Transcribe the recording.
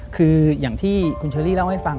คืออย่างที่คุณเชอรี่เล่าให้ฟัง